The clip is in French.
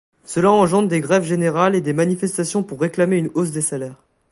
Cela engendre des grèves générales et des manifestations pour réclamer une hausse des salaires.